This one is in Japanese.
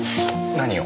何を？